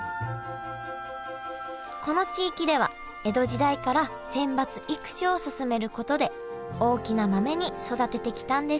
この地域では江戸時代から選抜育種を進めることで大きな豆に育ててきたんです